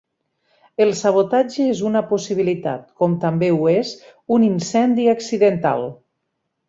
El sabotatge és una possibilitat, com també ho és un incendi accidental.